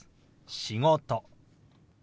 「仕事」。